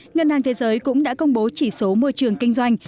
ngân hàng thế giới cũng đã công bố chỉ số môi trường kinh doanh